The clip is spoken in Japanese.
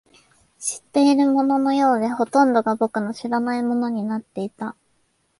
知っているもののようで、ほとんどが僕の知らないものになっていた